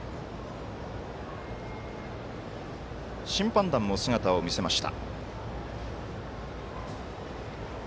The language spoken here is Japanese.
審判団も姿を見せました。